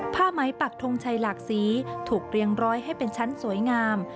ผ้าไหมปักทงชัยหลากสีถูกเรียงร้อยให้เป็นชั้นสวยงาม